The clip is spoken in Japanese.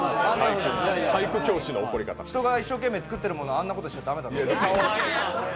人が一生懸命作ってるものあんなことしちゃ駄目だぞ。